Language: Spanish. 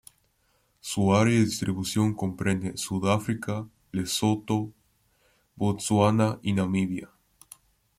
Su área de distribución comprende Sudáfrica, Lesoto, Botsuana y Namibia.